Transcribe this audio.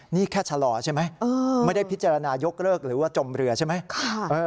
นี่แค่ชะลอใช่ไหมไม่ได้พิจารณายกเลิกหรือว่าจมเรือใช่ไหม